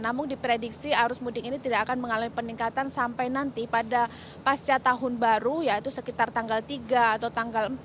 namun diprediksi arus mudik ini tidak akan mengalami peningkatan sampai nanti pada pasca tahun baru yaitu sekitar tanggal tiga atau tanggal empat